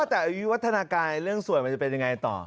แต่อายุวัฒนาการเรื่องสวยมันจะเป็นยังไงต่อ